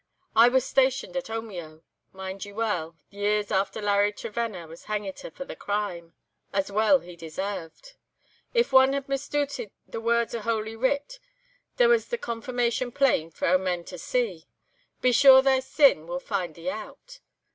I was stationed at Omeo, I mind weel, years after Larry Trevenna was hangit for the crime, as well he desairved. If one had misdooted the words of Holy Writ, there was the confirmation plain for a' men to see. 'Be sure thy sin will find thee out.